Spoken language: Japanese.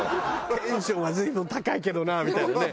テンションは随分高いけどなみたいなね。